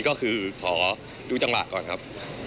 ก็พร้อมครับ